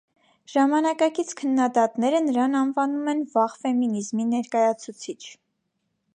Ժամանակակից քննդատները նրան անվանում են վաղ ֆեմինիզմի ներկայացուցիչ։